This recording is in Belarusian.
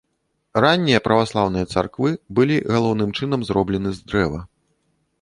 Раннія праваслаўныя царквы былі галоўным чынам зроблены з дрэва.